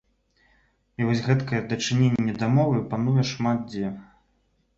І вось гэткае дачыненне да мовы пануе шмат дзе.